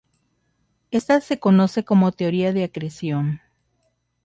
Ésta se conoce como teoría de acreción.